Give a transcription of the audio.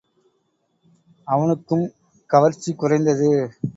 அவனுக்கும் கவர்ச்சி குறைந்தது.